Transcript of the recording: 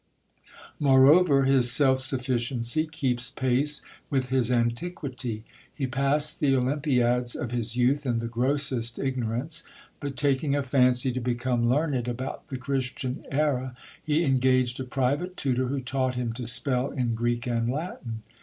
Moreover, his self sufficiency keeps pace with his antiquity. He passed the olympiads of his youth in the grossest ignorance ; but taking a fancy to become learned about the Christian era, he engaged a private tutor, who taught him to spell in Greek and Latin.